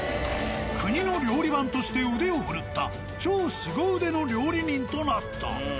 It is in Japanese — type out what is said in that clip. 国の料理番として腕を振るった超すご腕の料理人となった。